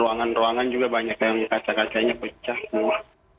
ruangan ruangan juga banyak yang kaca kacanya pecah semua